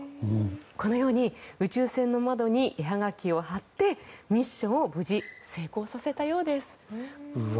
このように宇宙船の窓に絵はがきを貼ってミッションを無事、成功させたようです。